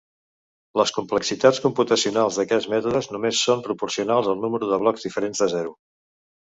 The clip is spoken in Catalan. Les complexitats computacionals d'aquests mètodes només són proporcionals al número de blocs diferents de zero.